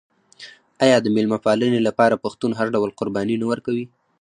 آیا د میلمه پالنې لپاره پښتون هر ډول قرباني نه ورکوي؟